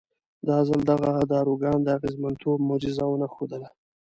دا ځل دغه داروګان د اغېزمنتوب معجزه ونه ښودله.